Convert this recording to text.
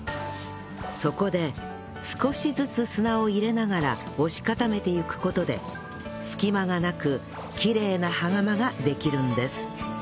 そこで少しずつ砂を入れながら押し固めていく事で隙間がなくきれいな羽釜ができるんです